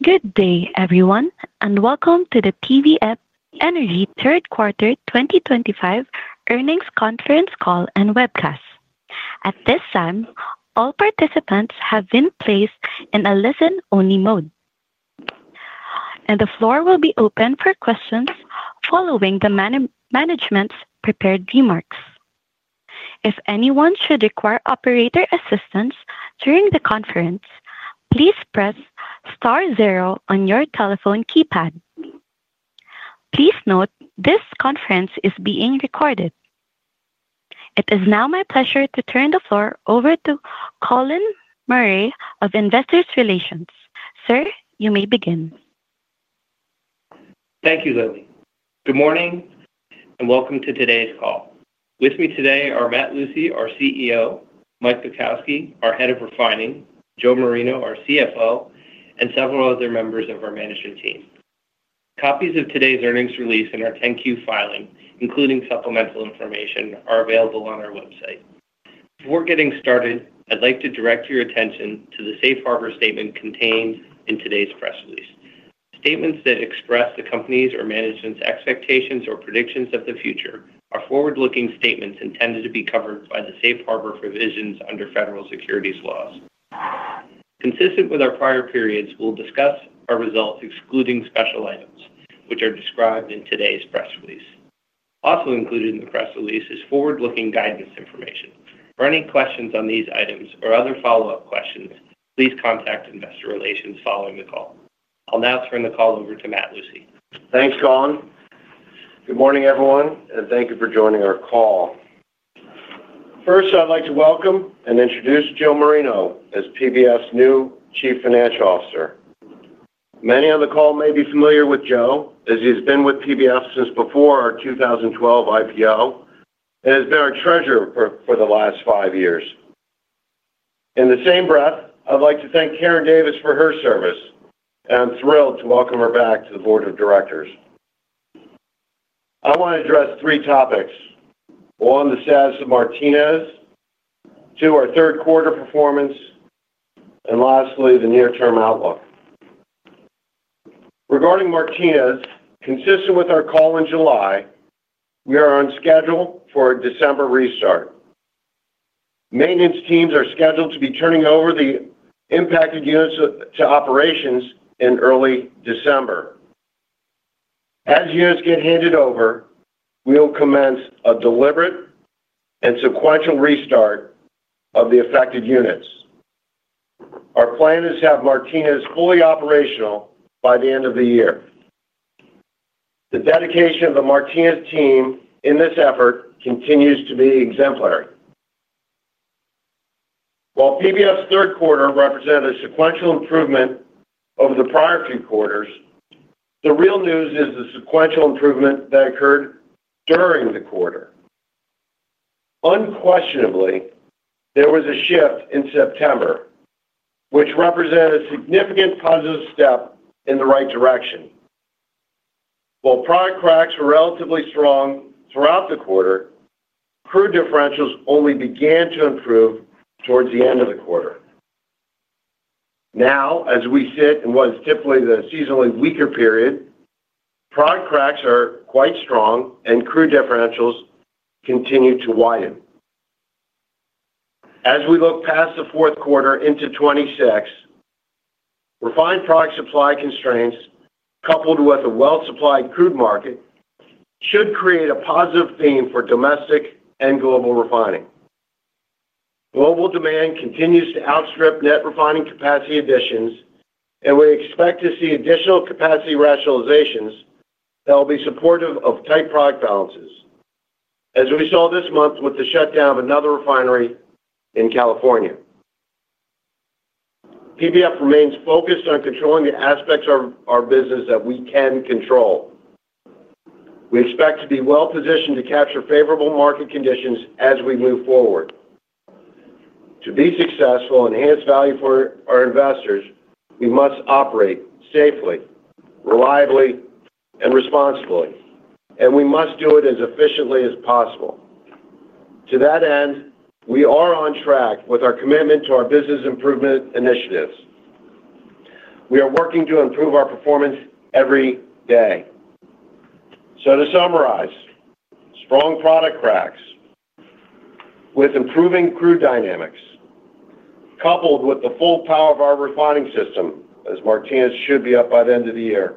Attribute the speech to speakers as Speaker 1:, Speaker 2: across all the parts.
Speaker 1: Good day everyone and welcome to the PBF Energy Third Quarter 2025 Earnings Conference Call and webcast. At this time, all participants have been placed in a listen only mode and the floor will be open for questions following the management's prepared remarks. If anyone should require operator assistance during the conference, please press star zero on your telephone keypad. Please note this conference is being recorded. It is now my pleasure to turn the floor over to Colin Murray of Investor Relations. Sir, you may begin.
Speaker 2: Thank you, Lily. Good morning and welcome to today's call. With me today are Matt Lucey, our CEO, Mike Bukowski, our Head of Refining, Joe Marino, our CFO, and several other members of our management team. Copies of today's earnings release and our 10-Q filing, including supplemental information, are available on our website. Before getting started, I'd like to direct your attention to the safe harbor statement contained in today's press release. Statements that express the company's or management's expectations or predictions of the future are forward-looking statements intended to be covered by the safe harbor provisions under federal securities laws. Consistent with our prior periods, we'll discuss our results excluding special items, which are described in today's press release. Also included in the press release is forward-looking guidance information. For any questions on these items or other follow-up questions, please contact Investor Relations following the call. I'll now turn the call over to Matt Lucey.
Speaker 3: Thanks, Colin. Good morning, everyone, and thank you for joining our call. First, I'd like to welcome and introduce Joe Marino as PBF's new Chief Financial Officer. Many on the call may be familiar with Joe as he's been with PBF since before our 2012 IPO and has been our Treasurer for the last five years. In the same breath, I'd like to thank Karen Davis for her service, and I'm thrilled to welcome her back to the Board of Directors. I want to address three topics: one, the status of Martinez; two, our third quarter performance; and lastly, the near-term outlook. Regarding Martinez consistent with our call in July, we are on schedule for a December restart. Maintenance teams are scheduled to be turning over the impacted units to operations in early December. As units get handed over, we will commence a deliberate and sequential restart of the affected units. Our plan is to have Martinez fully operational by the end of the year. The dedication of the Martinez team in this effort continues to be exemplary. While PBF's third quarter represented a sequential improvement over the prior few quarters, the real news is the sequential improvement that occurred during the quarter. Unquestionably, there was a shift in September, which represented a significant positive step in the right direction. While product cracks were relatively strong throughout the quarter, crude differentials only began to improve towards the end of the quarter. Now, as we sit in what is typically the seasonally weaker period, product cracks are quite strong, and crude differentials continue to widen. As we look past the fourth quarter into 2026, refined product supply constraints coupled with a well-supplied crude market should create a positive theme for domestic and global refining. Global demand continues to outstrip net refining capacity additions, and we expect to see additional capacity rationalizations that will be supportive of tight product balances. As we saw this month with the shutdown of another refinery in California, PBF remains focused on controlling the aspects of our business that we can control. We expect to be well positioned to capture favorable market conditions as we move forward. To be successful and enhance value for our investors, we must operate safely, reliably, and responsibly, and we must do it as efficiently as possible. To that end, we are on track with our commitment to our business improvement initiatives. We are working to improve our performance every day. To summarize, strong product cracks with improving crude dynamics coupled with the full power of our refining system as Martinez should be up by the end of the year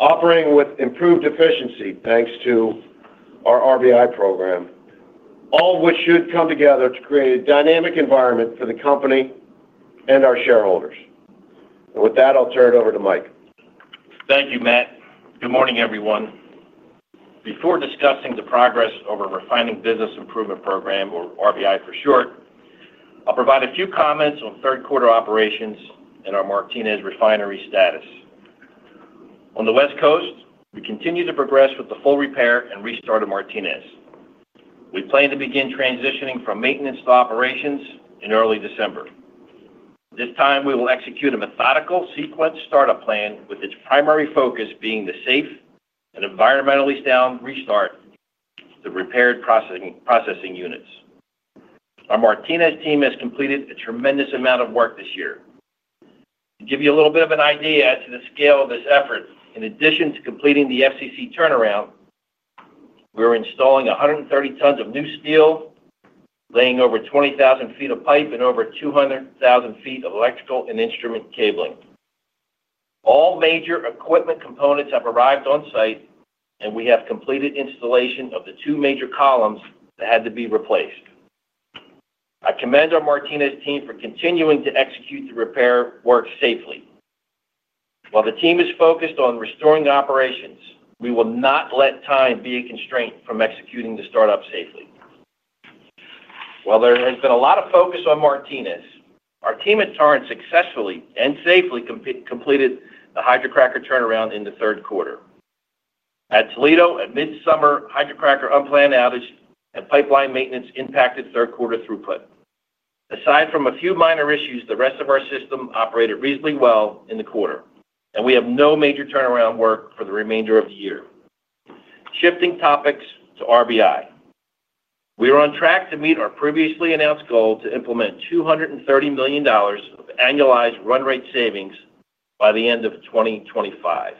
Speaker 3: operating with improved efficiency thanks to our RBI program, all of which should come together to create a dynamic environment for the company and our shareholders. With that, I'll turn it over to Mike.
Speaker 4: Thank you, Matt. Good morning, everyone. Before discussing the progress of a Refining Business Improvement program, or RBI for short, I'll provide a few comments on third quarter operations and our Martinez refinery status. On the West Coast we continue to progress with the full repair and restart of Martinez. We plan to begin transitioning from maintenance to operations in early December. This time we will execute a methodical sequence startup plan with its primary focus being the safe, and environmentally sound restart of the repaired processing units. Our Martinez team has completed a tremendous amount of work this year. To give you a little bit of an idea as to the scale of this effort, in addition to completing the FCC turnaround, we are installing 130 tons of new steel, laying over 20,000 ft of pipe and over 200,000 ft of electrical and instrument cabling. All major equipment components have arrived on site and we have completed installation of the two major columns that had to be replaced. I commend our Martinez team for continuing to execute the repair work safely while the team is focused on restoring operations. We will not let time be a constraint from executing the startup safely. While there has been a lot of focus on Martinez, our team at Torrance successfully and safely completed the hydrocracker turnaround in the third quarter. At Toledo at mid-summer, hydrocracker unplanned outage and pipeline maintenance impacted third quarter throughput. Aside from a few minor issues, the rest of our system operated reasonably well in the quarter and we have no major turnaround work for the remainder of the year. Shifting topics to RBI, we are on track to meet our previously announced goal to implement $230 million of annualized run-rate savings by the end of 2025.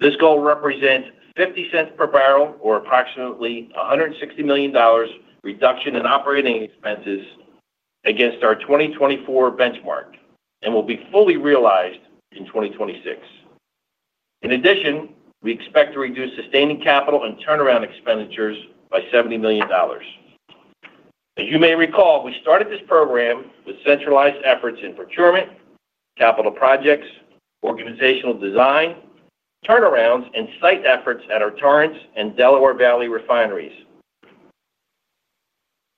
Speaker 4: This goal represents $0.50 per barrel, or approximately $160 million reduction in operating expenses against our 2024 benchmark and will be fully realized in 2026. In addition, we expect to reduce sustaining capital and turnaround expenditures by $70 million. As you may recall, we started this program with centralized efforts in procurement, capital projects, organizational design, turnarounds, and site efforts at our Torrance and Delaware Valley refineries.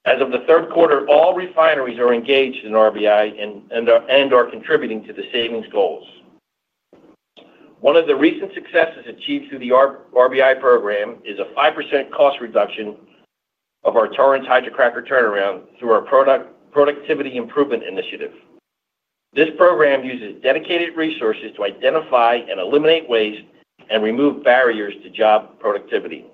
Speaker 4: As of the third quarter, all refineries are engaged in RBI and are contributing to the savings goals. One of the recent successes achieved through the RBI program is a 5% cost reduction of our Torrance hydrocracker turnaround through our Productivity Improvement Initiative. This program uses dedicated resources to identify and eliminate waste and remove barriers to job productivity.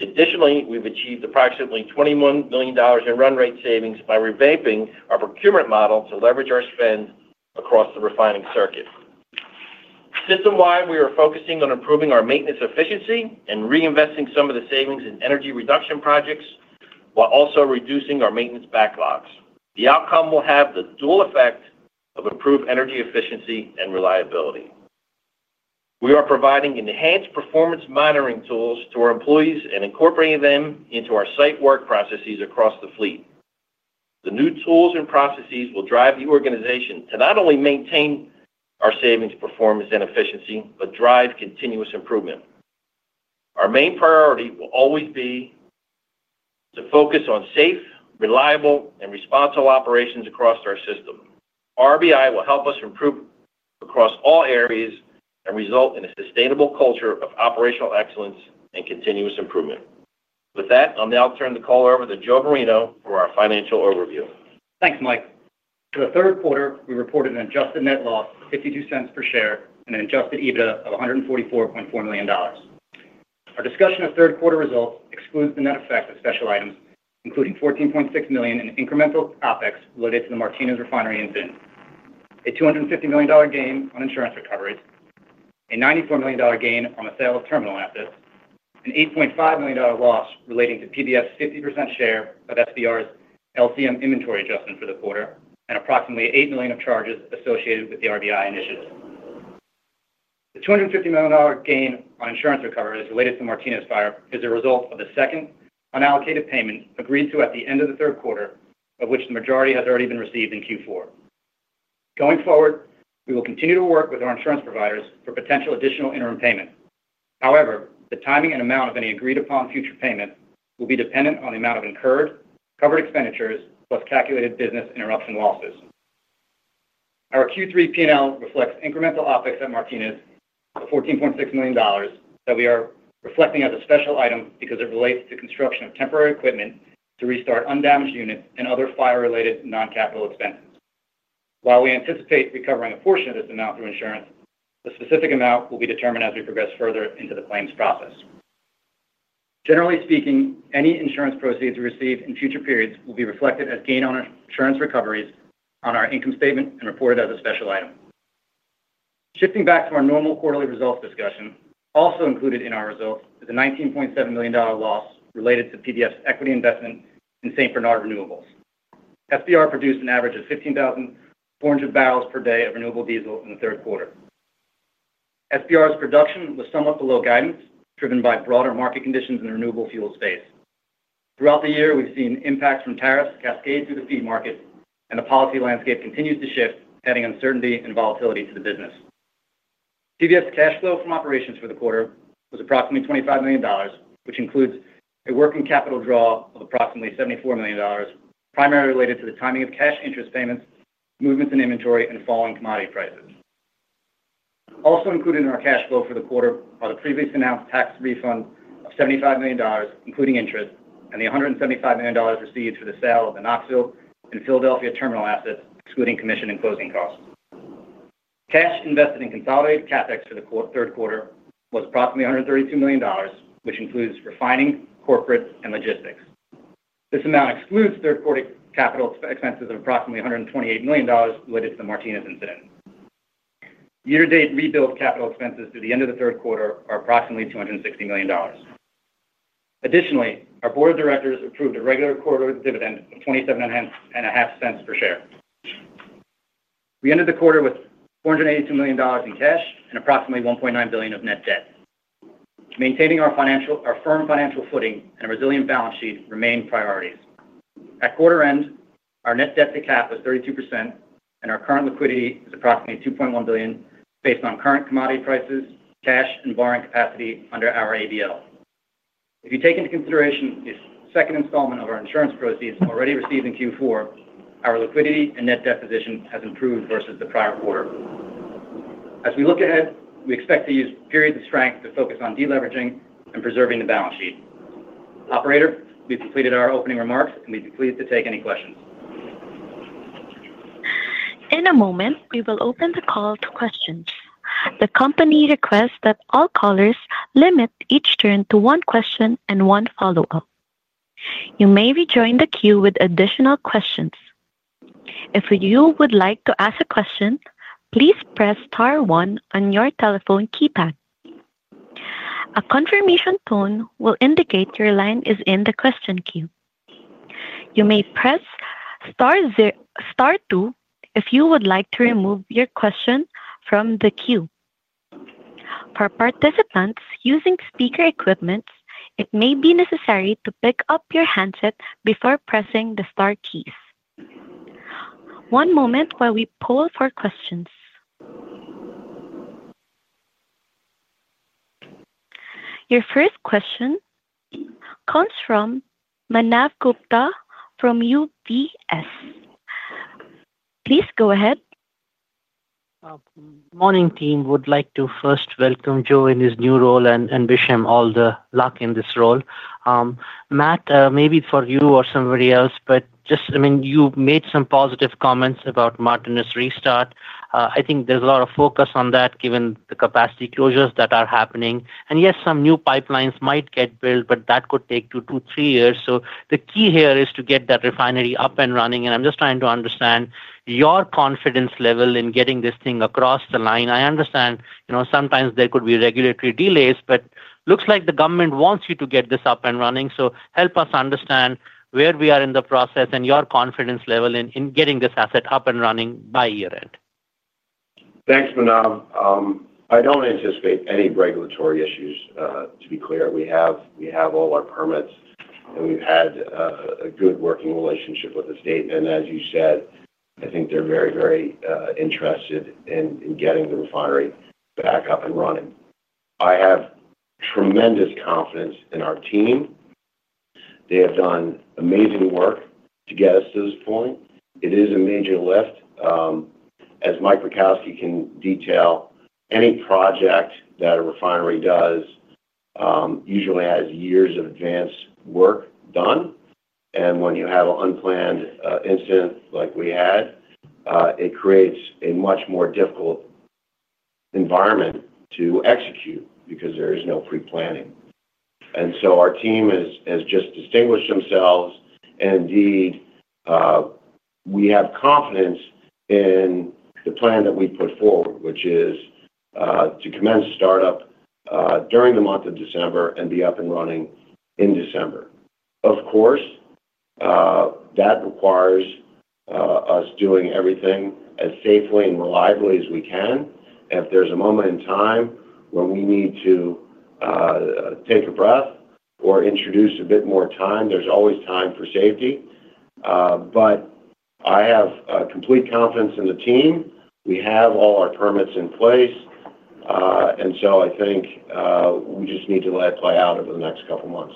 Speaker 4: Additionally, we've achieved approximately $21 million in run-rate savings by revamping our procurement model to leverage our spending across the refining circuit. System-wide we are focusing on improving our maintenance efficiency and reinvesting some of the savings in energy reduction projects while also reducing our maintenance backlogs. The outcome will have the dual effect of improved energy efficiency and reliability. We are providing enhanced performance monitoring tools to our employees and incorporating them into our site work processes across the fleet. The new tools and processes will drive the organization to not only maintain our savings, performance, and efficiency, but drive continuous improvement. Our main priority will always be to focus on safe, reliable, and responsible operations across our system. The RBI program will help us improve across all areas and result in a sustainable culture of operational excellence and continuous improvement. With that, I'll now turn the call over to Joe Marino for our financial overview.
Speaker 5: Thanks, Mike. For the third quarter we reported an adjusted net loss of $0.52 per share and an adjusted EBITDA of $144.4 million. Our discussion of third quarter results excludes the net effect of special items including $14.6 million in incremental OpEx related to the Martinez refinery in California, a $250 million gain on insurance recoveries, a $94 million gain on the sale of terminal assets, an $8.5 million loss relating to PBF's 50% share of SBR's LCM inventory adjustment for the quarter, and approximately $8 million of charges associated with the RBI initiatives. The $250 million gain on insurance recovery as related to the Martinez fire is a result of the second unallocated payment agreed to at the end of the third quarter, of which the majority has already been received in Q4. Going forward, we will continue to work with our insurance providers for potential additional interim payment. However, the timing and amount of any agreed upon future payment will be dependent on the amount of incurred covered expenditures plus calculated business interruption losses. Our Q3 P&L reflects incremental OpEx at Martinez of $14.6 million that we are reflecting as a special item because it relates to construction of temporary equipment to restart undamaged units and other fire-related non-capital expenses. While we anticipate recovering a portion of this amount through insurance, the specific amount will be determined as we progress further into the claims process. Generally speaking, any insurance proceeds we receive in future periods will be reflected as gain on insurance recoveries on our income statement and reported as a special item, shifting back to our normal quarterly results discussion. Also included in our results is a $19.7 million loss related to PBF's equity investment in St. Bernard Renewables. SBR produced an average of 15,400 barrels per day of renewable diesel in the third quarter. SBR's production was somewhat below guidance driven by broader market conditions in the renewable fuel space. Throughout the year we've seen impacts from tariffs cascade through the feed market and the policy landscape continues to shift, adding uncertainty and volatility to the business. Cash flow from operations for the quarter was approximately $25 million, which includes a working capital draw of approximately $74 million, primarily related to the timing of cash interest payments, movements in inventory, and falling commodity prices. Also included in our cash flow for the quarter are the previously announced tax refund of $75 million including interest and the $175 million received for the sale of the Knoxville and Philadelphia terminal assets excluding commission and closing costs. Cash invested in consolidated CapEx for the third quarter was approximately $132 million, which includes refining, corporate, and logistics. This amount excludes third quarter capital expenses of approximately $128 million related to the Martinez incident. Year to date, rebuild capital expenses through the end of the third quarter are approximately $260 million. Additionally, our Board of Directors approved a regular quarterly dividend of $0.275 per share. We ended the quarter with $482 million in cash and approximately $1.9 billion of net debt, maintaining our firm financial footing and a resilient balance sheet remain priorities. At quarter end, our net debt to cap was 32% and our current liquidity is approximately $2.1 billion, based on current commodity prices, cash, and borrowing capacity under our ABL. If you take into consideration the second installment of our insurance proceeds already received in Q4, our liquidity and net deposition has improved versus the prior quarter. As we look ahead, we expect to use periods of strength to focus on deleveraging and preserving the balance sheet. We've completed our opening remarks and we'd be pleased to take any questions.
Speaker 1: In a moment we will open the call to questions. The company requests that all callers limit each turn to one question and one follow-up. You may rejoin the queue with additional questions. If you would like to ask a question, please press Star one on your telephone keypad. A confirmation tone will indicate your line is in the question queue. You may press Star two if you would like to remove your question from the queue. For participants using speaker equipment, it may be necessary to pick up your handset before pressing the star keys. One moment while we poll for questions. Your first question comes from Manav Gupta from UBS. Please go ahead.
Speaker 6: Morning team, would like to first welcome Joe in his new role and wish him all the luck in this role. Matt, maybe for you or somebody else, but just, I mean, you made some positive comments about Martinez restart. I think there's a lot of focus on that given the capacity closures that are happening. Yes, some new pipelines might get built, but that could take two to three years. The key here is to get that refinery up and running. I'm just trying to understand your confidence level in getting this thing across the line. I understand, you know, sometimes there could be regulatory delays, but looks like the government wants you to get this up and running. Help us understand where we are in the process and your confidence level in getting this asset up and running by year end.
Speaker 3: Thanks, Manav. I don't anticipate any regulatory issues to be clear. We have all our permits and we've had a good working relationship with the state. As you said, I think they're very, very interested in getting the refinery back up and running. I have tremendous confidence in our team. They have done amazing work to get us to this point. It is a major lift as Mike Bukowski can detail. Any project that a refinery does usually has years of advance work done. When you have an unplanned incident like we had, it creates a much more difficult environment to execute because there is no pre-planning. Our team has just distinguished themselves. Indeed, we have confidence in the plan that we put forward which is to commence startup during the month of December and be up and running in December. Of course, that requires us doing everything as safely and reliably as we can. If there's a moment in time when we need to take a breath or introduce a bit more time, there's always time for safety. I have complete confidence in the team. We have all our permits in place and I think we just need to let it play out over the next couple months.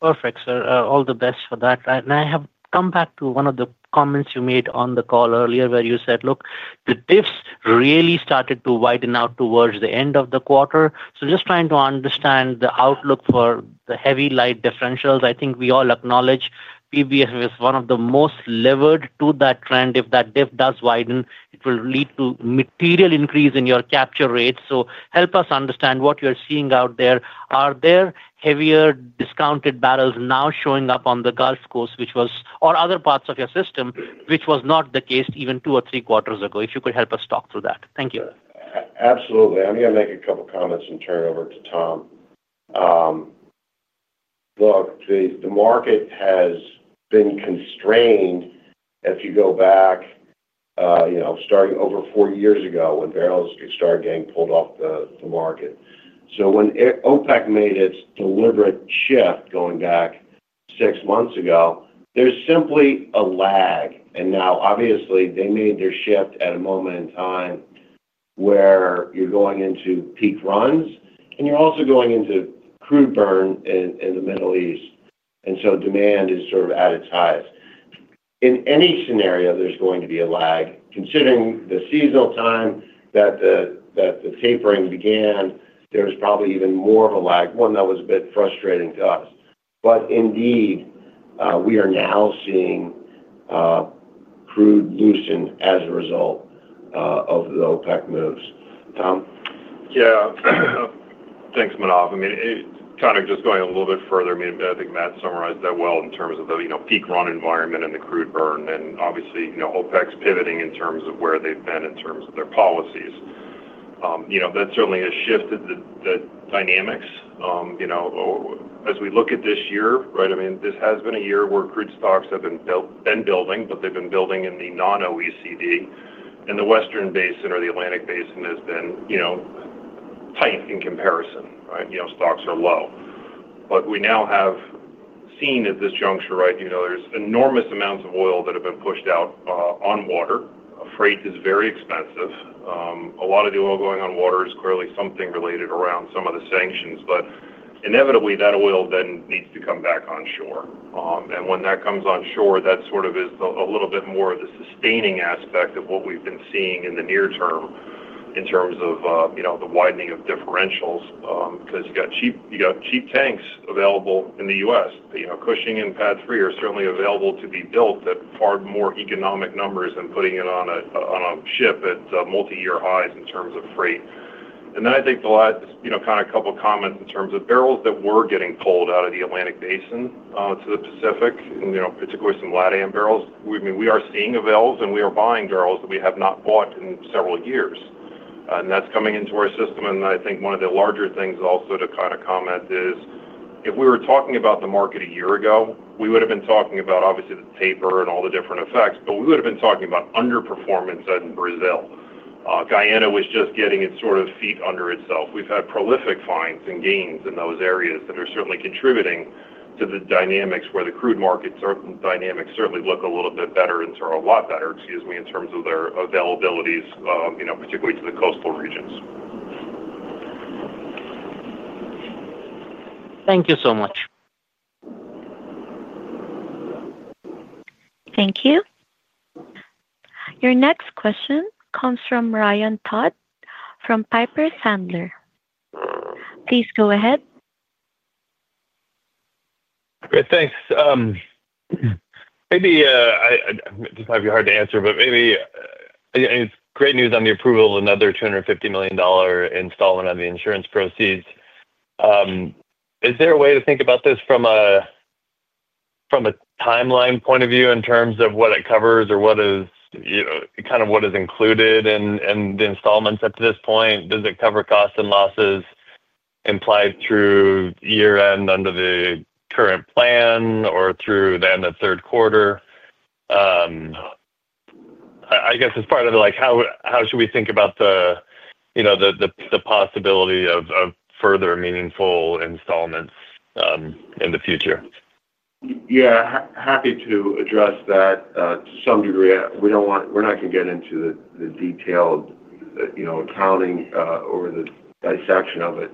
Speaker 6: Perfect, sir. All the best for that. I have come back to one of the comments you made on the call earlier where you said, look, the diffs really started to widen out towards the end of the quarter. Just trying to understand the outlook for the heavy light differentials. I think we all acknowledge PBF is one of the most levered to that trend. If that diff does widen, it will lead to material increase in your capture rates. Help us understand what you're seeing out there. Are there heavier discounted barrels now showing up on the Gulf Coast or other parts of your system, which was not the case even two or three quarters ago? If you could help us talk through that. Thank you.
Speaker 3: Absolutely. I'm going to make a couple comments and turn it over to Tom. Look, the market has been constrained. If you go back, you know, starting over four years ago when barrels started getting pulled off the market. When OPEC+ made its deliberate shift going back six months ago, there's simply a lag. Now obviously they made their shift at a moment in time where you're going into peak runs and you're also going into crude burn in the Middle East. Demand is sort of at its highest. In any scenario, there's going to be a lag. Considering the seasonal time that the tapering began, there was probably even more of a lag, one that was a bit frustrating to us. Indeed we are now seeing crude loosened as a result of the OPEC+ moves. Tom?
Speaker 7: Yeah, thanks Manav. I mean, kind of just going a little bit further. I think Matt summarized that well, in terms of the peak run environment and the crude burn, and obviously OPEC+'s pivoting in terms of where they've been in terms of their policies, you know, that certainly has shifted the dynamics, you know, as we look at this year. Right. I mean this has been a year where crude stocks have been building, but they've been building in the non-OECD and the Western basin or the Atlantic Basin has been, you know, tight in comparison. You know, stocks are low. We now have seen at this juncture, right, you know, there's enormous amounts of oil that have been pushed out on water. Freight is very expensive. A lot of the oil going on water is clearly something related around some of the sanctions. Inevitably that oil then needs to come back onshore. When that comes onshore, that sort of is a little bit more of the sustaining aspect of what we've been seeing in the near term in terms of, you know, the widening of the differentials. Because you got cheap, you got cheap tanks available in the U.S., you know, Cushing and PADD 3 are certainly available to be built at far more economic numbers than putting it on a ship at multi-year highs in terms of freight. I think the last couple comments in terms of barrels that were getting pulled out of the Atlantic Basin to the Pacific, and particularly some LATAM barrels, we are seeing a village and we are buying barrels that we have not bought in several years, and that's coming into our system. I think one of the larger things also to comment is if we were talking about the market a year ago, we would have been talking about obviously the taper and all the different effects, but we would have been talking about underperformance in Brazil. Guyana was just getting its sort of feet under itself. We've had prolific finds and gains in those areas that are certainly contributing to the dynamics where the crude market, certain dynamics certainly look a little bit better and a lot better, excuse me, in terms of their availabilities, particularly to the coastal regions.
Speaker 6: Thank you so much.
Speaker 1: Thank you. Your next question comes from Ryan Todd from Piper Sandler. Please go ahead.
Speaker 8: Great, thanks. Maybe this might be hard to answer, but maybe it's great news. On the approval of another $250 million installment on the insurance proceeds, is there a way to think about this from a timeline point of view in terms of what it covers or what is kind of what is included in the installments up to this point? Does it cover costs and losses implied through year end under the current plan or through the third quarter? I guess as part of how should we think about the possibility of further meaningful installments in the future?
Speaker 3: Yeah, happy to address that to some degree. We don't want, we're not going to get into the detailed accounting or the dissection of it.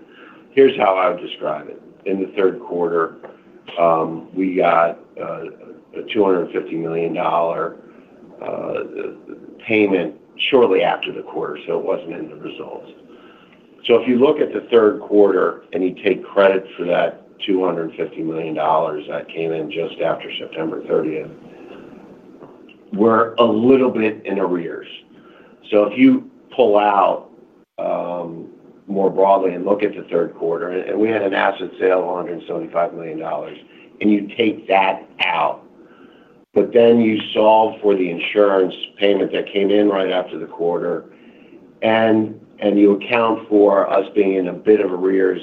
Speaker 3: Here's how I would describe it. In the third quarter, we got a $250 million payment shortly after the quarter. It wasn't in the results. If you look at the third quarter and you take credit for that $250 million that came in just after September 30th, we're a little bit in arrears. If you pull out more broadly and look at the third quarter, and we had an asset sale of $175 million and you take that out, but then you solve for the insurance payment that came in right after the quarter and you account for us being in a bit of arrears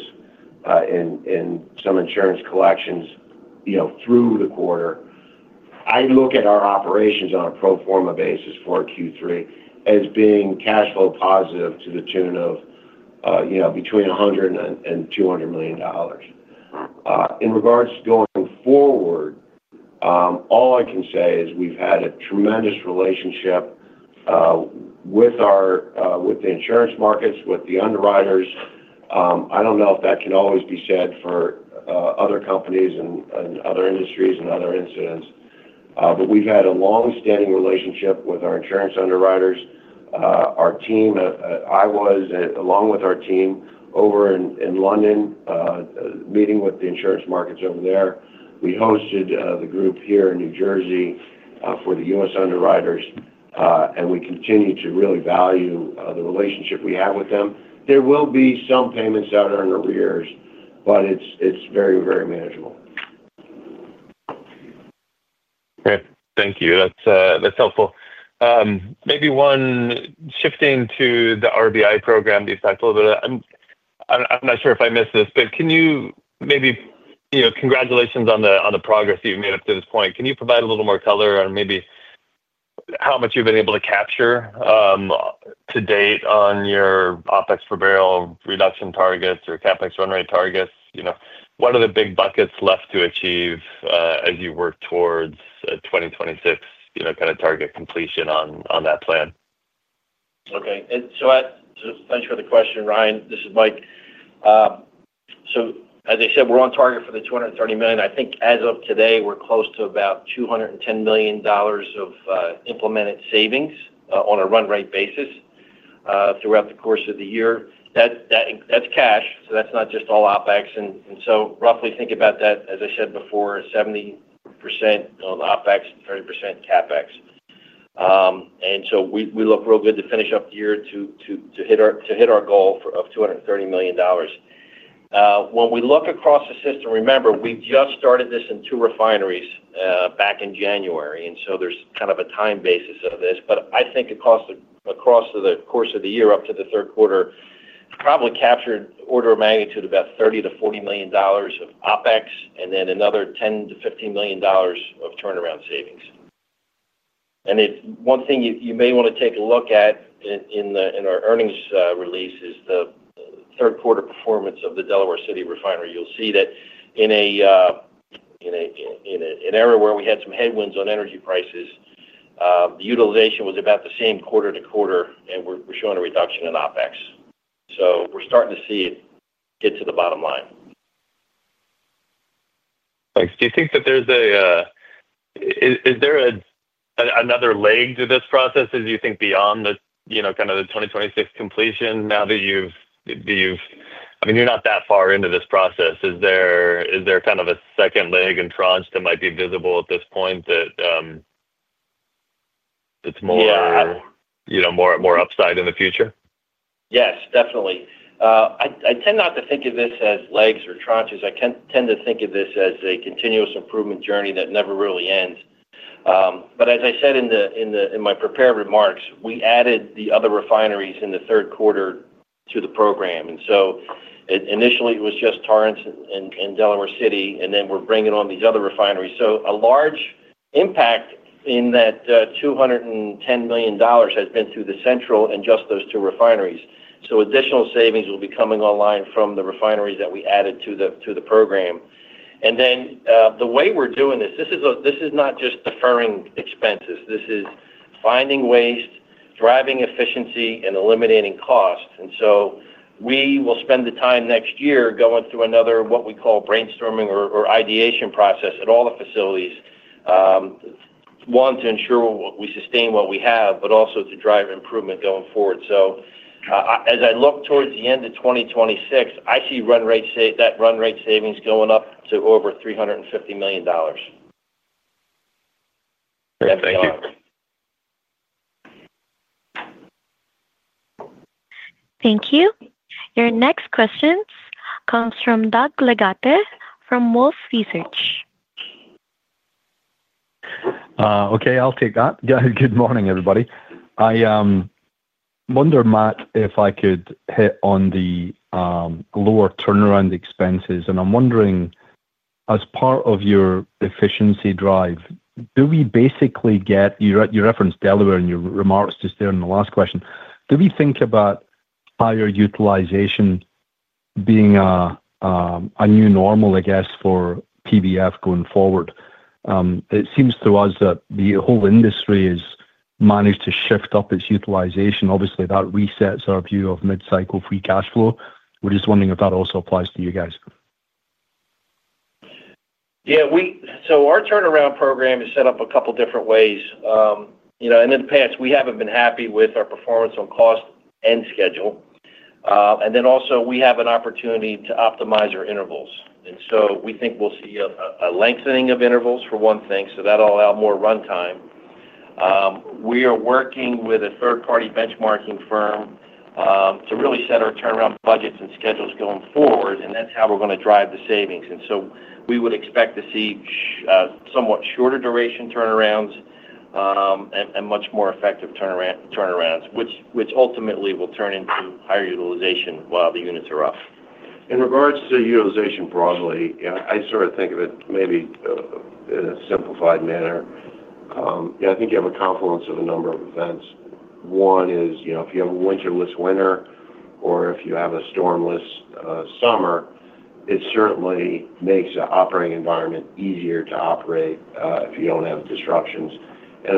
Speaker 3: in some insurance collections through the quarter, I look at our operations on a pro forma basis for Q3 as being cash flow positive to the tune of between $100 million and $200 million. In regards to going forward, all I can say is we've had a tremendous relationship with the insurance markets, with the underwriters. I don't know if that can always be said for other companies and other industries and other incidents, but we've had a longstanding relationship with our insurance underwriters. I was along with our team over in London meeting with the insurance markets over there. We hosted the group here in New Jersey for the U.S. underwriters and we continue to really value the relationship we have with them. There will be some payments out in arrears, but it's very, very manageable.
Speaker 8: Thank you, that's helpful. Maybe one, shifting to the RBI program. You've talked a little bit. I'm not sure if I missed this, but can you maybe, congratulations on the progress you've made up to this point. Can you provide a little more color on maybe how much you've been able to capture to date on your OpEx per barrel reduction targets or CapEx run rate targets? What are the big buckets left to achieve as you work towards 2026, you know, kind of target completion on that plan.
Speaker 4: Okay, thanks for the question. Ryan, this is Mike. As I said, we're on target for the $230 million. I think as of today, we're close to about $210 million of implemented savings on a run-rate basis throughout the course of the year. That's cash. That's not just all OpEx. Roughly think about that, as I said before, 70% OpEx, 30% CapEx. We look real good to finish up the year to hit our goal of $230 million. When we look across the system, remember we just started this in two refineries back in January. There's kind of a time basis of this, but I think across the course of the year up to the third quarter, probably captured order of magnitude about $30 million-$40 million of OpEx and then another $10 million-$15 million of turnaround savings. One thing you may want to take a look at in our earnings release is the third quarter performance of the Delaware City refinery. You'll see that in an area where we had some headwinds on energy prices, the utilization was about the same quarter to quarter and we're showing a reduction in OpEx. We're starting to see it get to the bottom line.
Speaker 8: Thanks. Do you think that there's another leg to this process as you think beyond the 2026 completion now that you've, do you, I mean, you're not that far into this process. Is there kind of a second leg entrance that might be visible at this point, that it's more, you know, more upside in the future?
Speaker 4: Yes, definitely. I tend not to think of this as legs or tranches. I tend to think of this as a continuous improvement journey that never really ends. As I said in my prepared remarks, we added the other refineries in the third quarter to the program. Initially it was just Torrance and Delaware City, and then we're bringing on these other refineries. A large impact in that $210 million has been through the central and just those two refineries. Additional savings will be coming online from the refineries that we added to the program. The way we're doing this, this is not just deferring expenses. This is finding waste, driving efficiency, and eliminating cost. We will spend the time next year going through another, what we call brainstorming or ideation process at all the facilities. One, to ensure we sustain what we have, but also to drive improvement going forward. As I look towards the end of 2026, I see run-rate savings going up to over $350 million.
Speaker 1: Thank you. Your next question comes from Doug Leggate from Wolfe Research.
Speaker 9: Okay, I'll take that. Good morning, everybody. I wonder, Matt, if I could hit on the lower turnaround expenses. I'm wondering, as part of your efficiency drive, do we basically get you referenced Delaware in your remarks just there in the last question, do we think about higher utilization being a new normal? I guess for PBF Energy going forward? It seems to us that the whole industry has managed to shift up its utilization. Obviously, that resets our view of mid cycle free cash flow. We're just wondering if that also applies to you guys.
Speaker 4: Yeah. Our turnaround program is set up a couple different ways, you know, and in the past we haven't been happy with our performance on cost and schedule. We also have an opportunity to optimize our intervals. We think we'll see a lengthening of intervals for one thing, so that'll allow more runtime. We are working with a third party benchmarking firm to really set our turnaround budgets and schedules going forward. That's how we're going to drive the savings. We would expect to see somewhat shorter duration turnarounds and much more effective turnarounds, which ultimately will turn into higher utilization while the units are up.
Speaker 3: In regards to utilization broadly, I sort of think of it maybe in a simple way. I think you have a confluence of a number of events. One is, you know, if you have a winterless winter or if you have a stormless summer, it certainly makes the operating environment easier to operate if you don't have disruptions.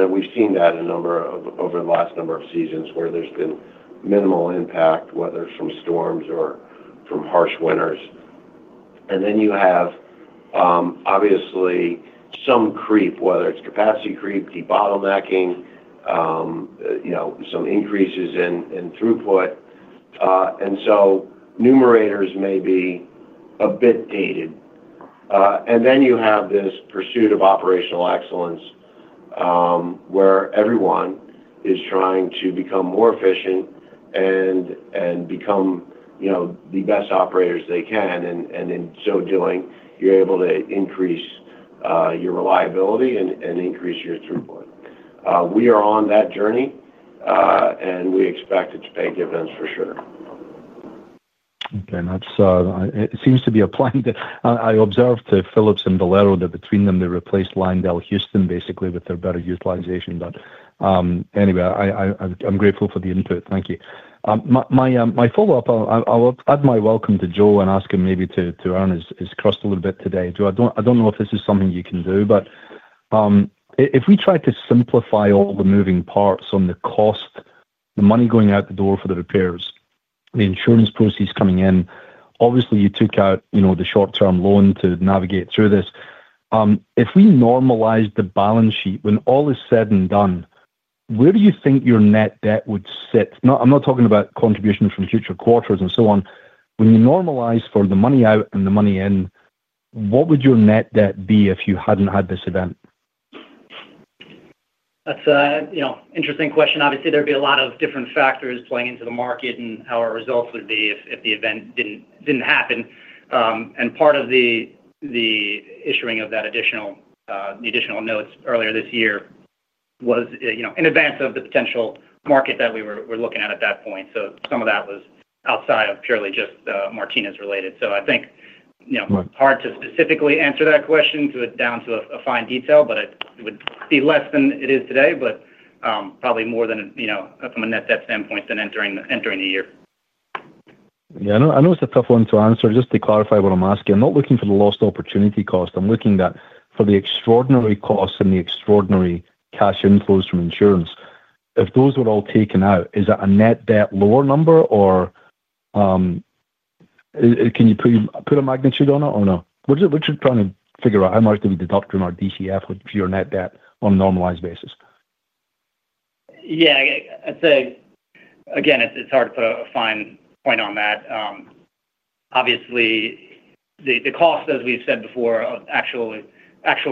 Speaker 3: We've seen that over the last number of seasons where there's been minimal impact, whether from storms or from harsh winters. You have obviously some creep, whether it's capacity creep, debottlenecking, some increases in throughput. Numerators may be a bit dated. You have this pursuit of operational excellence where everyone is trying to become more efficient and become the best operators they can. In so doing, you're able to increase your reliability and increase your throughput. We are on that journey and we expect it to pay dividends for sure.
Speaker 9: Okay. It seems to be applying. I observed to Phillips and Valero that between them they replaced Lyondell Houston basically with their better utilization. Anyway, I'm grateful for the input, thank you. My follow up, I will add my welcome to Joe and ask him maybe to earn his crust a little bit today. I don't know if this is something you can do, but if we try to simplify all the moving parts on the cost, the money going out the door for the repairs, the insurance proceeds coming in, obviously you took out the short term loan to navigate through this. If we normalize the balance sheet, when all is said and done where do you think your net debt would sit? I'm not talking about contributions from future quarters and so on. When you normalize for the money out and the money in, what would your net debt be if you hadn't had this event?
Speaker 5: That's an interesting question. Obviously, there'd be a lot of different factors playing into the market and how our results would be if the event didn't happen. Part of the issuing of that additional, the additional notes earlier this year was in advance of the potential market that we were looking at at that point. Some of that was outside of purely just Martinez related. I think it's hard to specifically answer that question down to a fine detail, but it would be less than it is today, but probably more than, from a net debt standpoint, than entering the year.
Speaker 9: I know it's a tough one to answer. Just to clarify what I'm asking, I'm not looking for the lost opportunity cost. I'm looking for the extraordinary cost and the extraordinary cash inflows from insurance. If those were all taken out, is that a net debt lower number, or can you put a magnitude on it? We're just trying to figure out how much do we deduct from our DCF with your net debt on a normalized basis.
Speaker 5: Yeah, I'd say again, it's hard to put a fine point on that. Obviously, the cost, as we've said before, actual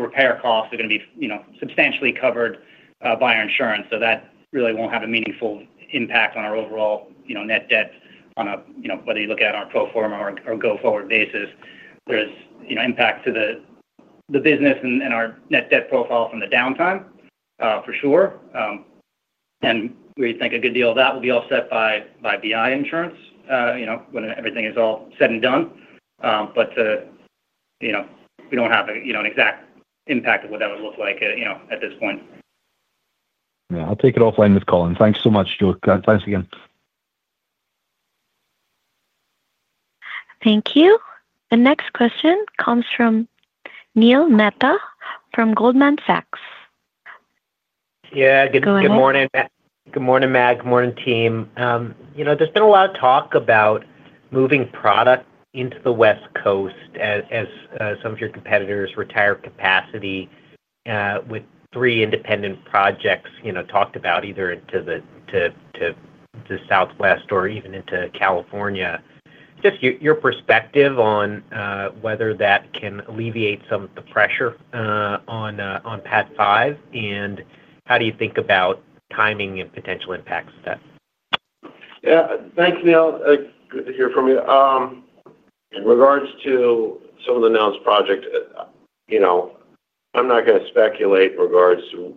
Speaker 5: repair costs are going to be substantially covered by our insurance. That really won't have a meaningful impact on our overall net debt on a pro forma or go forward basis. There's impact to the business and our net debt profile from the downtime for sure, and we think a good deal of that will be offset by BI insurance when everything is all said and done. We don't have an exact impact of what that would look like at this point.
Speaker 9: Yeah, I'll take it offline with Colin. Thanks so much, Joe. Thanks again.
Speaker 1: Thank you. The next question comes from Neil Mehta from Goldman Sachs.
Speaker 10: Good morning. Good morning, Matt. Morning, team. There's been a lot of talk about moving product into the West Coast as some of your competitors retire capacity, with three independent projects talked about either into the Southwest or even into California. Just your perspective on whether that can alleviate some of the pressure on PADD 5, and how do you think about timing and potential impacts.
Speaker 3: Yeah, thanks Neil. Good to hear from you. In regards to some of the Nelson's project, I'm not going to speculate in regards to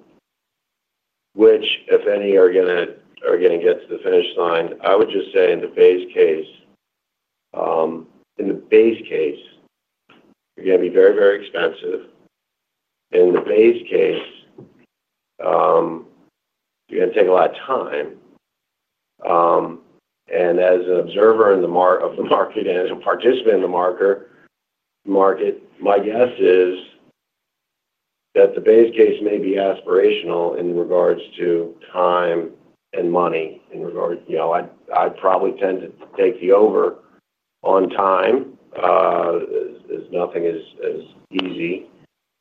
Speaker 3: which, if any, are going to get to the finish line. I would just say in the base case, in the base case you're going to be very, very expensive. In the base case you're going to take a lot of time. As an observer of the market and as a participant in the market, my guess is that the base case may be aspirational in regards to time and money. I probably tend to take the over on time as nothing is easy.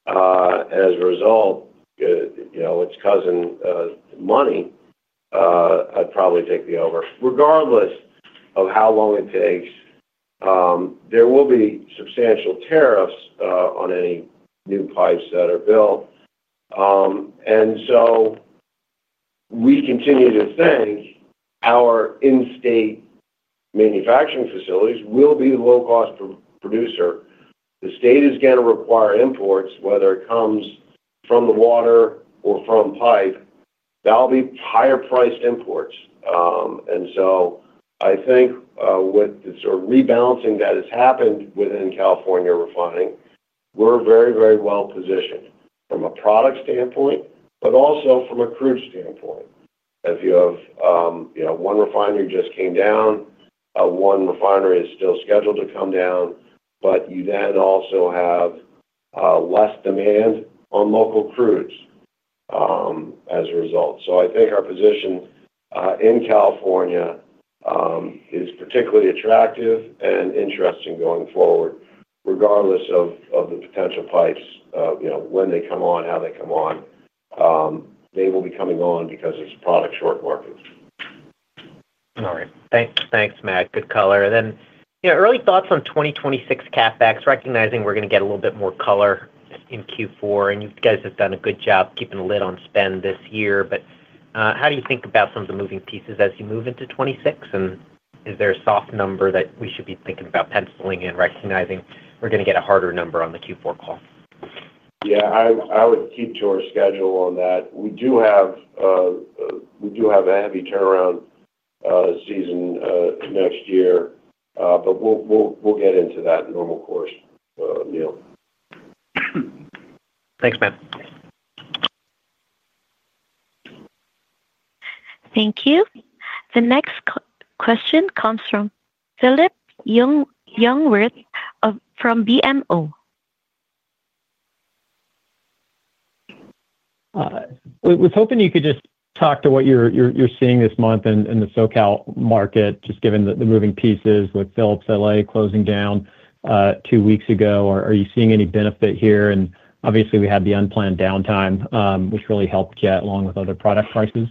Speaker 3: As a result, it's cousin money. I'd probably take the over regardless of how long it takes. There will be substantial tariffs on any new pipes that are built. We continue to think our in-state manufacturing facilities will be the low-cost producer. The state is going to require imports, whether it comes from the water or from pipe, that will be higher-priced imports. I think with the sort of rebalancing that has happened within California refining, we're very, very well positioned from a product standpoint but also from a crude standpoint. If you have one refinery just came down, one refinery is still scheduled to come down, but you then also have less demand on local crudes as a result. I think our position in California is particularly attractive and interesting going forward. Regardless of the potential pipes, when they come on, how they come on, they will be coming on because it's a product short market.
Speaker 10: All right, thanks, Matt. Good color. Early thoughts on 2026 CapEx, recognizing we're going to get a little bit more color in Q4, and you guys have done a good job keeping a lid on spend this year. How do you think about some of the moving pieces as you move into 2026, and is there a soft number that we should be thinking about penciling in, recognizing we're going to get a harder number on the Q4 call?
Speaker 3: Yeah, I would keep to our schedule on that. We do have a heavy turnaround season next year, but we'll get into that normal course, Neil.
Speaker 10: Thanks Matt.
Speaker 1: Thank you. The next question comes from Philip Jungwirth from BMO.
Speaker 11: I was hoping you could just talk to what you're seeing this month in the SoCal market, just given the moving pieces With Phillips LA closing down two weeks ago, are you seeing any benefit here? Obviously, we had the unplanned downtime which really helped yet, along with other product prices.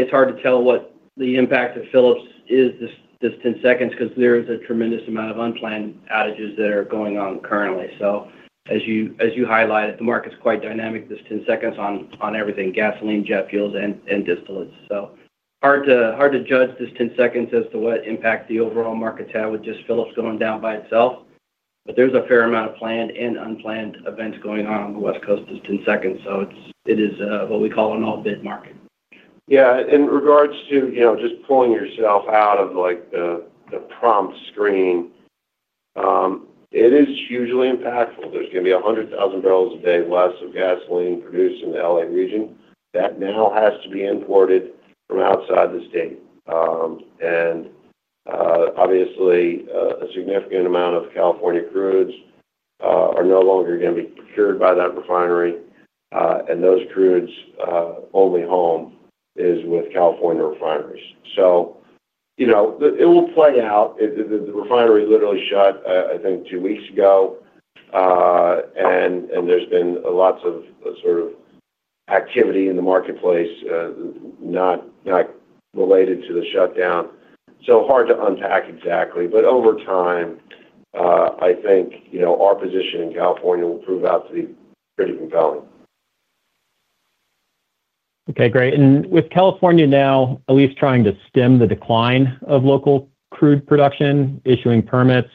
Speaker 4: It's hard to tell what the impact of Phillips is because there is a tremendous amount of unplanned outages that are going on currently. As you highlighted, the market's quite dynamic on everything: gasoline, jet fuels, and distillates. It's hard to judge what impact the overall markets have with just Phillips going down by itself. There is a fair amount of planned and unplanned events going on on the West Coast. It is what we call an all-bid market.
Speaker 3: Yeah. In regards to just pulling yourself out of like the prompt screen, it is hugely impactful. There's going to be 100,000 barrels a day less of gasoline per million in the LA region that now has to be imported from outside the state. Obviously, a significant amount of California crudes are no longer going to be procured by that refinery, and those crudes only home is with California refineries. It will play out. The refinery literally shut, I think, two weeks ago, and there's been lots of sort of activity in the marketplace not related to the shutdown. It's hard to unpack exactly, but over time I think our position in California will prove out to be pretty compelling.
Speaker 11: Okay, great. With California now at least trying to stem the decline of local crude production, issuing permits,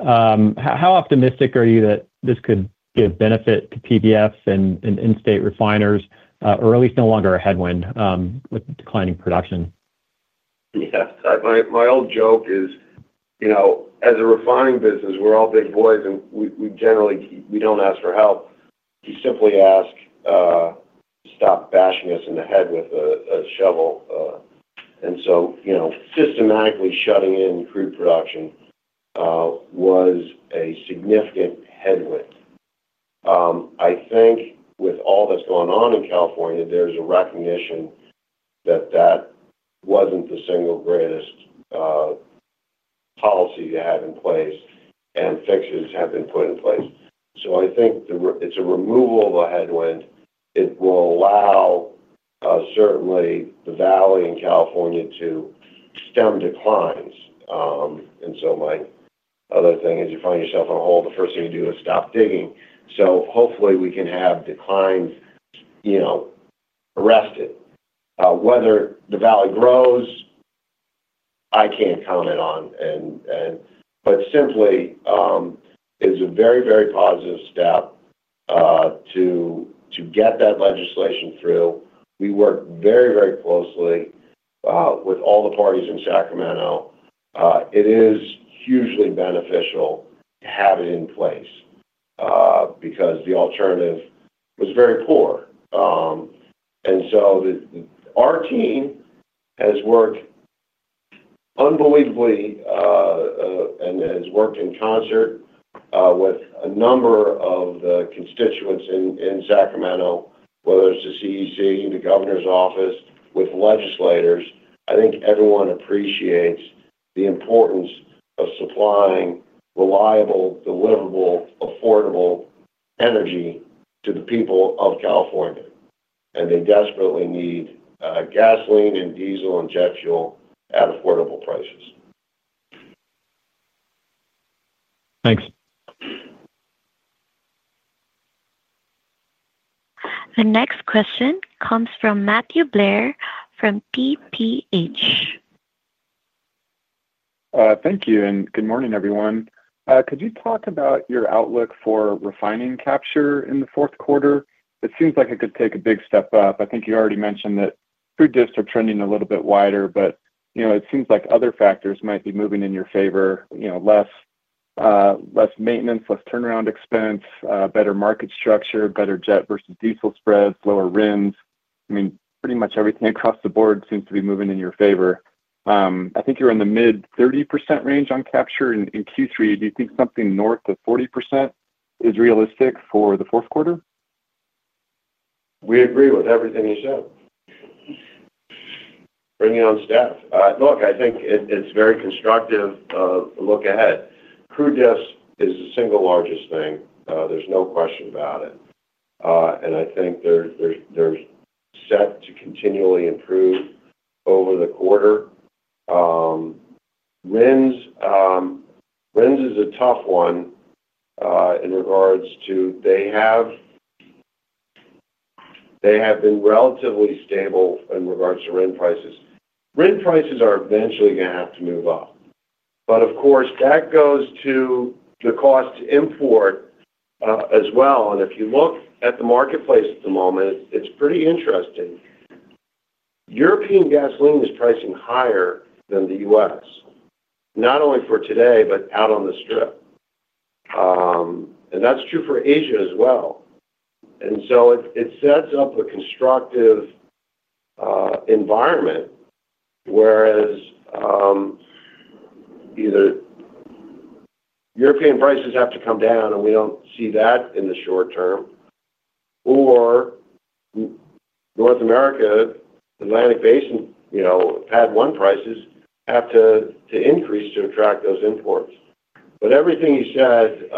Speaker 11: how optimistic are you? That this could give benefit to PBF Energy. Are in-state refiners at least no longer a headwind with declining production?
Speaker 3: Yes, my old joke is, you know, as a refining business, we're all big boys and we generally, we don't ask for help, you simply ask, stop bashing us in the head with a shovel. Systematically shutting in crude production was a significant headwind. I think with all that's going on in California, there's a recognition that that wasn't the single greatest policy to have in place and fixes have been put in place. I think it's a removal of a headwind. It will allow certainly the valley in California to stem declines. My other thing is, you find yourself in a hole, the first thing you do is stop digging. Hopefully we can have declines, you know, arrested. Whether the valley grows, I can't comment on, but simply is a very, very positive step to get that legislation through. We work very, very closely with all the parties in Sacramento. It is hugely beneficial to have it in place because the alternative was very poor. Our team has worked unbelievably and has worked in concert with a number of the constituents in Sacramento, whether it's the CEC, the governor's office, with legislators. I think everyone appreciates the importance of supplying reliable, deliverable, affordable energy to the people of California. They desperately need gasoline and diesel and jet fuel at affordable prices.
Speaker 11: Thanks.
Speaker 1: The next question comes from Matthew Blair from Piper Sandler.
Speaker 12: Thank you and good morning everyone. Could you talk about your outlook for refining capture in the fourth quarter? It seems like it could take a big step up. I think you already mentioned that food discs are trending a little bit wider. It seems like other factors might be moving in your favor. Less maintenance, less turnaround expense, better market structure, better jet versus diesel spreads, lower RINs. Pretty much everything across the board seems to be moving in your favor. I think you're in the mid 30% range on capture in Q3. Do you think something north of 40% is realistic for the fourth quarter?
Speaker 3: We agree with everything you said. Bringing on staff. Look, I think it's very constructive. Look ahead. Crude differentials is the single largest thing, there's no question about it. I think they're set to continually improve over the quarter. RINs is a tough one in regards to. They have been relatively stable in regards to RIN prices. RIN prices are eventually going to have to move up, but of course that goes to the cost to import as well. If you look at the marketplace at the moment, it's pretty interesting. European gasoline is pricing higher than the U.S. not only for today, but out on the strip. That's true for Asia as well. It sets up a constructive environment. Whereas either European prices have to come down and we don't see that in the short term, or North America Atlantic basin, you know, PADD 1 prices have to increase to attract those imports. Everything he said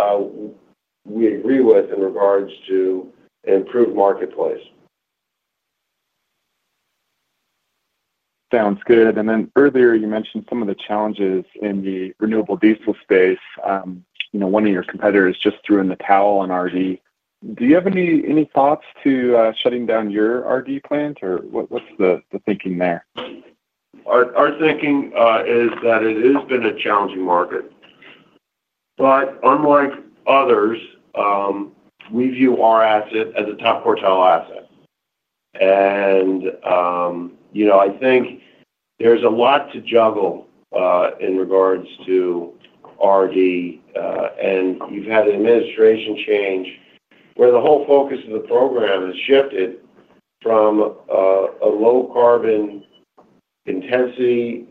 Speaker 3: we agree with in regards to improved marketplace.
Speaker 12: Sounds good. Earlier you mentioned some of the challenges in the renewable diesel space. One of your competitors just threw in the towel on RD. Do you have any thoughts to shutting down your RD plant or what's the thinking there?
Speaker 3: Our thinking is that it has been a challenging market, but unlike others, we view our asset as a top quartile asset. I think there's a lot to juggle in regards to RD. You've had an administration change where the whole focus of the program has shifted from a low carbon intensity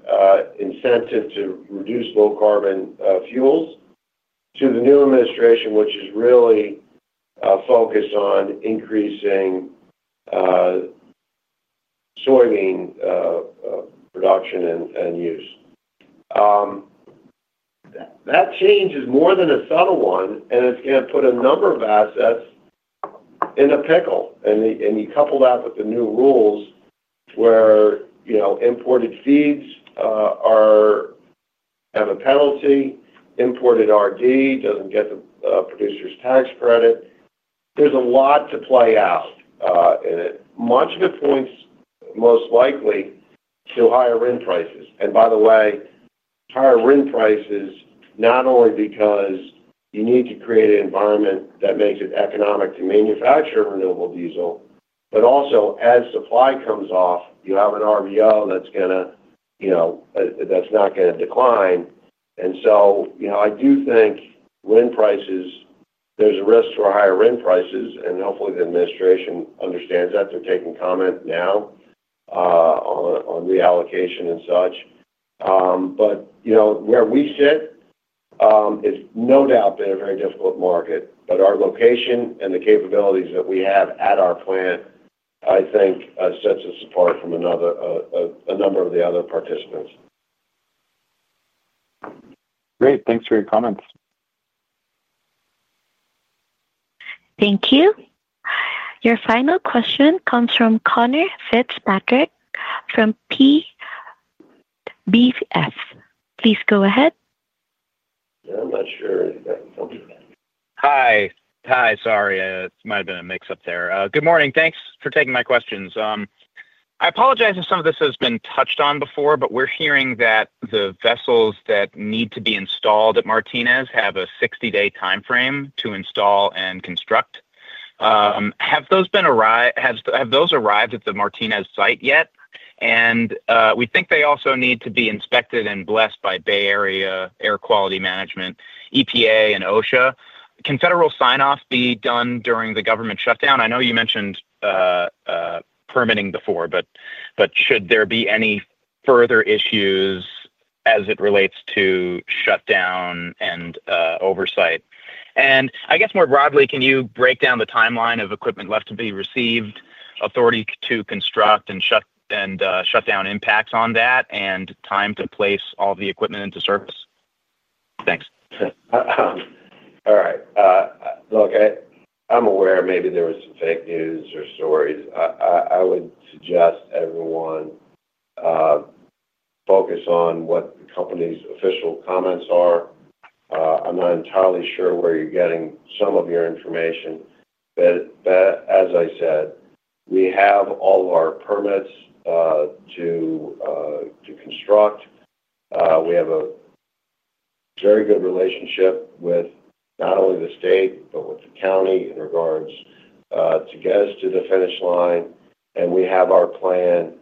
Speaker 3: incentive to reduce low carbon fuels to the new administration which is really focused on increasing soybean production and use. That change is more than a subtle one and it's going to put a number of assets in a pickle. You couple that with the new rules where, you know, imported feeds have a penalty, imported RD doesn't get the producers tax credit. There's a lot to play out in it. Much of it points most likely to higher RIN prices. By the way, higher RIN prices not only because you need to create an environment that makes it economic to manufacture renewable diesel, but also as supply comes off, you have an RVO that's not going to decline. I do think RIN prices, there's a risk for higher RIN prices and hopefully the administration understands that. They're taking comment now on reallocation and such, but you know where we sit. It's no doubt been a very difficult market, but our location and the capabilities that we have at our plant I think sets us apart from a number of the other participants.
Speaker 12: Great. Thanks for your comments.
Speaker 1: Thank you. Your final question comes from Conor Fitzpatrick from [BofA]. Please go ahead.
Speaker 3: I'm not sure.
Speaker 13: Hi. Hi. Sorry, it might have been a mix up there. Good morning. Thanks for taking my questions. I apologize if some of this has been touched on before, but we're hearing that the vessels that need to be installed at Martinez have a 60 day time frame to install and construct. Have those arrived at the Martinez site yet? We think they also need to be inspected and blessed by Bay Area Air Quality Management, EPA, and OSHA. Can federal sign off be done during the government shutdown? I know you mentioned permitting before. Should there be any further issues as it relates to shutdown and oversight, and more broadly, can you break down the timeline of equipment left to be received, authority to construct, shutdown impacts on that, and time to place all the equipment into service? Thanks.
Speaker 3: All right, look, I'm aware maybe there was some fake news or stories. I would suggest everyone focus on what the company's official comments are. I'm not entirely sure where you're getting some of your information, but as I said, we have all of our permits to construct. We have a very good relationship with not only the state but with the county in regards to get us to the finish line. We have our plan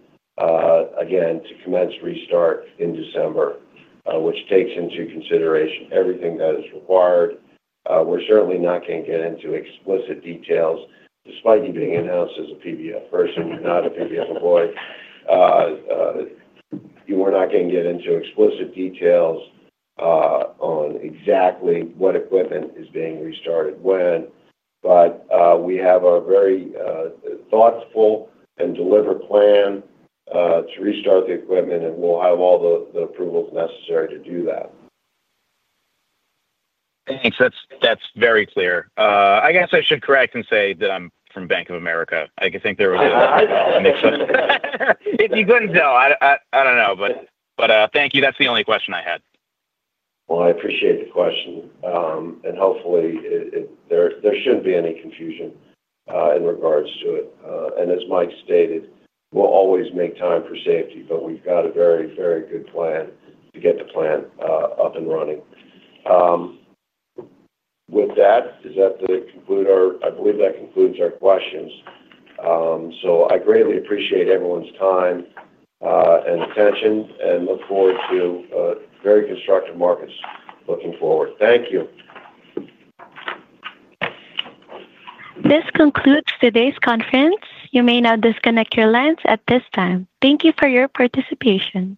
Speaker 3: again to commence restart in December, which takes into consideration everything that is required. We're certainly not going to get into explicit details despite you being announced as a PBF person, not a PBF employee. You are not going to get into explicit details on exactly what equipment is being restarted when. We have a very thoughtful and deliberate plan to restart the equipment and we'll have all the approvals necessary to do that.
Speaker 13: Thanks. That's very clear. I guess I should correct and say that I'm from Bank of America. I think there would be. If you couldn't tell. I don't know, thank you. That's the only question I had.
Speaker 3: I appreciate the question and hopefully there shouldn't be any confusion in regards to it. As Mike stated, we'll always make time for safety. We've got a very, very good plan to get the plan up and running. With that, I believe that concludes our questions. I greatly appreciate everyone's time and attention and look forward to very constructive markets. Looking forward. Thank you.
Speaker 1: This concludes today's conference. You may now disconnect your lines at this time. Thank you for your participation.